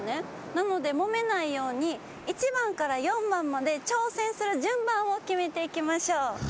なのでもめないように１番から４番まで挑戦する順番を決めていきましょう。